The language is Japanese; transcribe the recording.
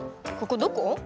ここどこ？